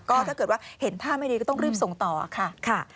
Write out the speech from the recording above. ก็ถ้าเกิดว่าเห็นท่าไม่ดีก็ต้องรีบส่งต่อค่ะ